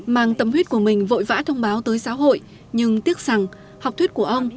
mang tâm huyết của mình vội vã thông báo tới xã hội nhưng tiếc rằng học thuyết của ông